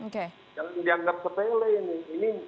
kalau dianggap sepele ini